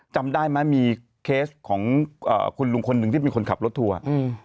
จำได้ไหมมีเคสของเอ่อคุณลุงคนหนึ่งที่เป็นคนขับรถทัวร์อืม